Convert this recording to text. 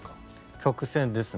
曲先ですね。